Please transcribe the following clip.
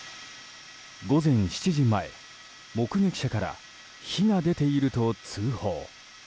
午前７時前、目撃者から火が出ていると通報。